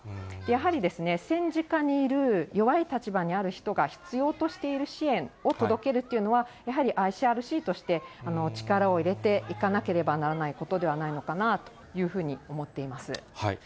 やはり戦時下にいる弱い立場にある人が必要としている支援を届けるというのは、やはりＩＣＲＣとして力を入れていかなければならないことではないのかなというふうに思っています。